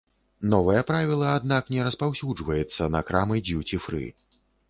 Новае правіла, аднак, не распаўсюджваецца на крамы д'юці-фры.